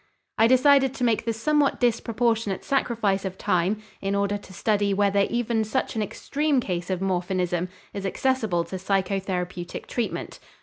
I decided to make the somewhat disproportionate sacrifice of time in order to study whether even such an extreme case of morphinism is accessible to psychotherapeutic treatment.